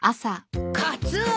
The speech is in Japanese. カツオ。